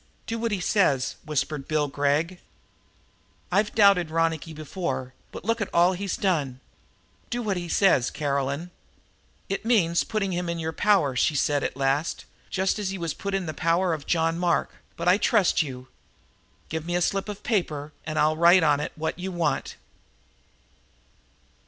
"Do what he says," whispered Bill Gregg. "I've doubted Ronicky before, but look at all that he's done? Do what he says, Caroline." "It means putting him in your power," she said at last, "just as he was put in the power of John Mark, but I trust you. Give me a slip of paper, and I'll write on it what you want."